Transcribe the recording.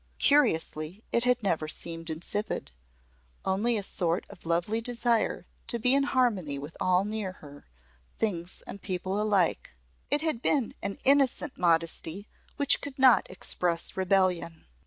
Curiously it had never seemed insipid only a sort of lovely desire to be in harmony with all near her things and people alike. It had been an innocent modesty which could not express rebellion.